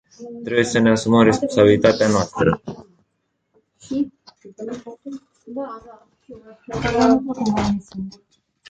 Trebuie să ne asumăm responsabilitatea noastră.